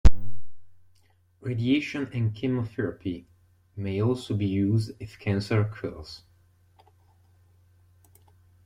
Radiation and chemotherapy may also be used if cancer occurs.